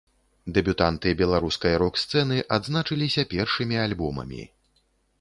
Дэбютанты беларускай рок-сцэны адзначыліся першымі альбомамі.